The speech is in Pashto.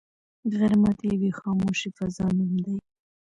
غرمه د یوې خاموشې فضا نوم دی